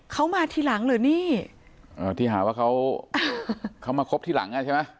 เขามาทีหลังเหรอนี่อ่าที่หาว่าเขาเขามาคบทีหลังอ่ะใช่ไหม